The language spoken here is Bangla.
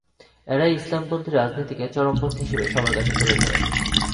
এরাই ইসলামপন্থী রাজনীতিকে চরমপন্থী হিসেবে সবার কাছে তুলে ধরে।